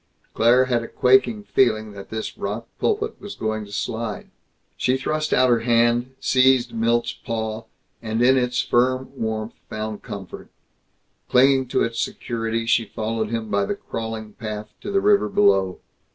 Claire had a quaking feeling that this rock pulpit was going to slide. She thrust out her hand, seized Milt's paw, and in its firm warmth found comfort. Clinging to its security she followed him by the crawling path to the river below.